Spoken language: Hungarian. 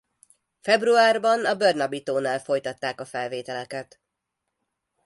Februárban a Burnaby-tónál folytatták a felvételeket.